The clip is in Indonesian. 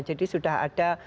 jadi sudah ada